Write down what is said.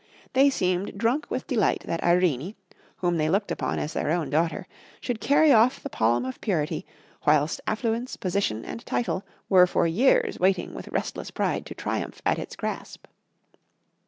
They seemed drunk with delight that Irene, whom they looked upon as their own daughter, should carry off the palm of purity, whilst affluence, position, and title were for years waiting with restless pride to triumph at its grasp.